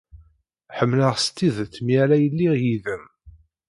Ḥemmleɣ s tidet mi ara iliɣ yid-m.